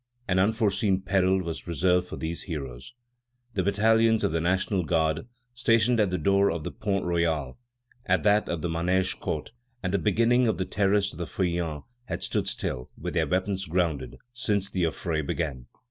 An unforeseen peril was reserved for these heroes. The battalions of the National Guard, stationed at the door of the Pont Royal, at that of the Manège court, and the beginning of the terrace of the Feuillants, had stood still, with their weapons grounded, since the affray began.